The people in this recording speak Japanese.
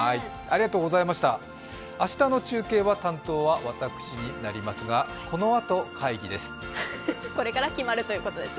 明日の中継は担当は私になりますが、このあと会議です。